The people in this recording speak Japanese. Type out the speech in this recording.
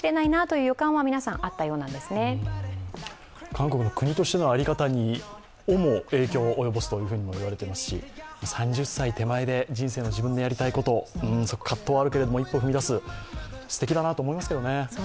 韓国の国としての在り方にをも影響を及ぼすと言われていますし、３０歳手前で人生の自分のやりたいこと、葛藤はあるけど、一歩踏み出す、すてきだなと思いますけどね。